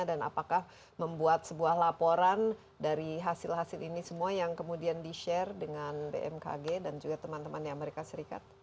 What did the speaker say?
dan apakah membuat sebuah laporan dari hasil hasil ini semua yang kemudian di share dengan bmkg dan juga teman teman di amerika serikat